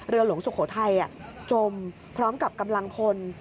หลวงสุโขทัยจมพร้อมกับกำลังพล